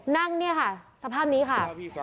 นั่งเนี่ยค่ะสภาพนี้ค่ะ